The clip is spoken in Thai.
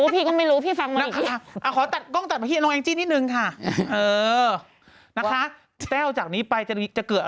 พี่ก็ไม่รู้พี่ฟังมาอีก